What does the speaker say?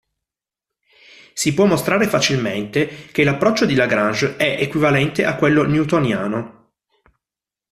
Si può mostrare facilmente che l'approccio di Lagrange è equivalente a quello newtoniano.